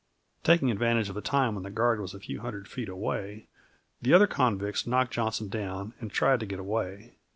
Taking advantage of a time when the guard was a few hundred feet away, the other convicts knocked Johnson down and tried to get away.